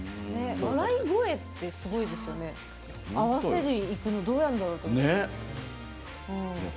笑い声ってすごいですよね、合わせるのどうするんだろうと思う。